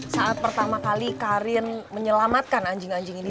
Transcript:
saat pertama kali karin menyelamatkan anjing anjing ini